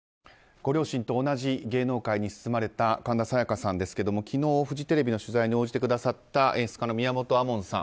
ご両親と同じ芸能界に進まれた神田沙也加さんですが昨日、フジテレビの取材に応じてくださった演出家の宮本亞門さん。